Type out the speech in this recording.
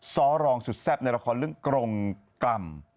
ซ้อรองสุดแซ่บในละครเรื่องกรงกล่ำ